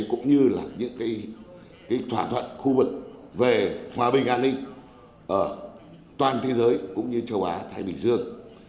cũng như là những thỏa thuận khu vực về hòa bình an ninh ở toàn thế giới cũng như châu á thái bình dương